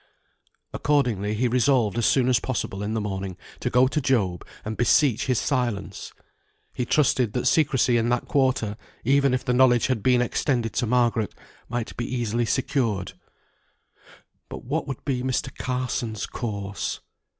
Accordingly he resolved as soon as possible in the morning to go to Job and beseech his silence; he trusted that secrecy in that quarter, even if the knowledge had been extended to Margaret, might be easily secured. But what would be Mr. Carson's course?